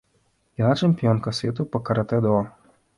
Яна чэмпіёнка свету па каратэ-до.